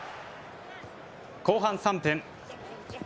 後半３分。